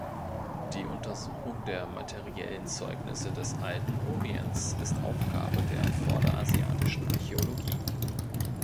Die Untersuchung der materiellen Zeugnisse des Alten Orients ist Aufgabe der Vorderasiatischen Archäologie.